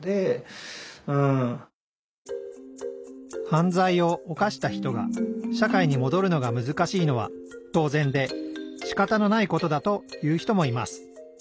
犯罪を犯した人が社会にもどるのがむずかしいのは当然でしかたのないことだと言う人もいます。